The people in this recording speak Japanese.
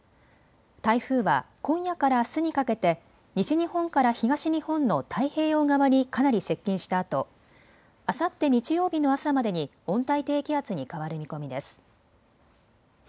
台風は今夜からあすにかけて西日本から東日本の太平洋側にかなり接近したあとあさって日曜日の朝までに温帯低気圧に変わる見込みです。